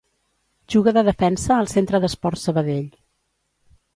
Juga de defensa al Centre d'Esports Sabadell.